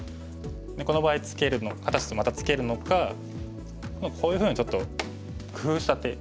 この場合果たしてまたツケるのかこういうふうにちょっと工夫した手。